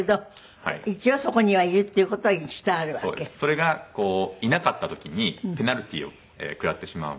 それがいなかった時にペナルティーを食らってしまうので。